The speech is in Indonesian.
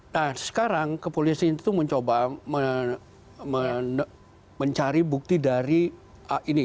nah sekarang kepolisian itu mencoba mencari bukti dari ini